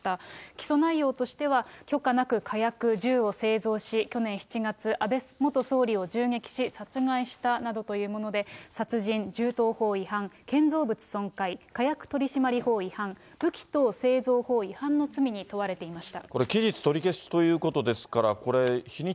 起訴内容としては許可なく火薬・銃を製造し、去年７月、安倍元総理を殺害し殺害したということで、などというもので殺人、銃刀法違反、建造物損壊、火薬取締法違反、武器等製造法違反の罪に問われていました。